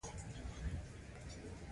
خلکو به دوی زناکار او بد اخلاق بلل.